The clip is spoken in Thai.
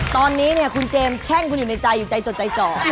ตอนนี้เนี่ยคุณเจมสแช่งคุณอยู่ในใจอยู่ใจจดใจจ่อ